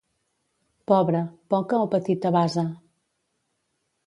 Pobre, poca o petita basa.